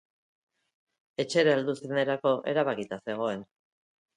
Etxera heldu zenerako erabakita zegoen.